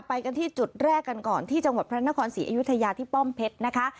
ไปกันที่จุดแรกกันก่อนที่จังหวัดพระนครศรีอยุธยาที่ป้อมเพชรนะคะ